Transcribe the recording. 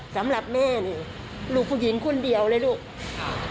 สำหรับแม่นี่ลูกผู้หญิงคนเดียวเลยลูกค่ะ